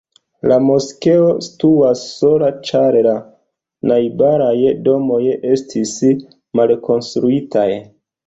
La moskeo situas sola, ĉar la najbaraj domoj estis malkonstruitaj.